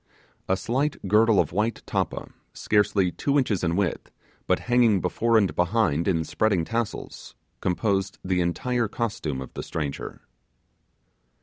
A slight girdle of white tappa, scarcely two inches in width, but hanging before and behind in spreading tassels, composed the entire costume of the stranger.